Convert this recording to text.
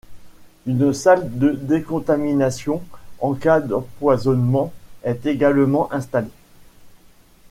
Une salle de décontamination en cas d'empoisonnement est également installée.